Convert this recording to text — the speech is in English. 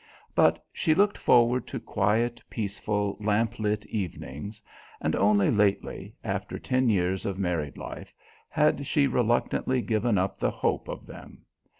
But she looked forward to quiet, peaceful, lamplit evenings; and only lately, after ten years of married life, had she reluctantly given up the hope of them.